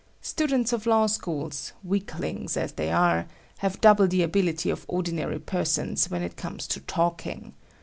Students of law schools, weaklings as they are, have double the ability of ordinary persons when it comes to talking.